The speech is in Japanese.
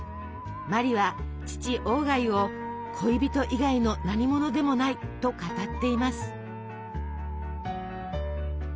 茉莉は父鴎外を「恋人以外のなにものでもない」と語っています。